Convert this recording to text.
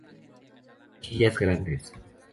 Mejillas grandes.